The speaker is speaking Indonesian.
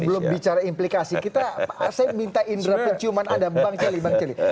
sebelum bicara implikasi saya minta indera penciuman anda bang celi bang celi